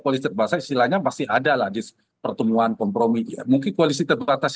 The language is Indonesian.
politik bahasa istilahnya masih ada lah di pertemuan kompromi ya mungkin koalisi terbatas